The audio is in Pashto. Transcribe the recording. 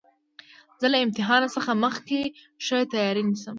زه له امتحان څخه مخکي ښه تیاری نیسم.